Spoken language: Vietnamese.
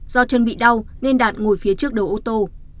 do chân bị đau nên đạt ngồi phía trước đầu ô tô